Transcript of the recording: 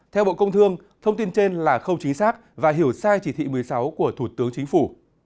theo bộ công thương thông tin trên là không chính xác và hiểu sai chỉ thị một mươi sáu của thủ tướng chính phủ